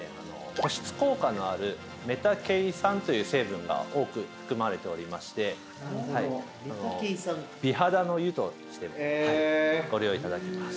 保湿効果のあるメタケイ酸という成分が多く含まれておりまして美肌の湯としてもご利用いただけます。